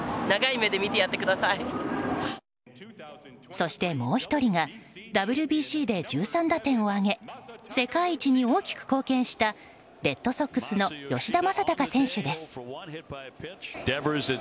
そして、もう１人がＷＢＣで１３打点を挙げ世界一に大きく貢献したレッドソックスの吉田正尚選手です。